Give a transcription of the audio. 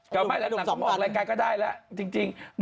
ก็ไม่นำเขามาออกรายการก็ได้แล้ว